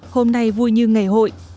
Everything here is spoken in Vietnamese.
hôm nay vui như ngày hội